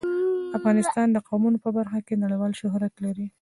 افغانستان د قومونه په برخه کې نړیوال شهرت لري.